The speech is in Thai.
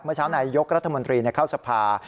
เมื่อเช้านายยกรัฐมนตรีเข้าสภา